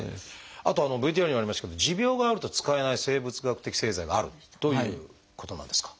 あとＶＴＲにもありましたけど持病があると使えない生物学的製剤があるということなんですか？